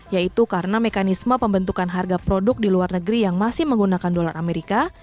yaitu karena mekanisme pembentukan harga produk di luar negeri yang masih menggunakan dolar amerika